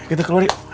kita keluar yuk ayo